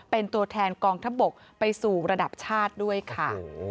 เป็นตัวแทนกองทัพบกไปสู่ระดับชาติด้วยค่ะ